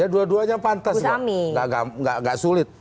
ya dua duanya pantas gak sulit